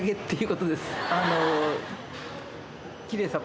あの。